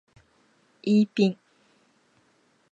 イーピン